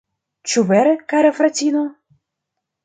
Ĉu vere, kara fratino?